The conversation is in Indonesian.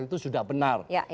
itu sudah benar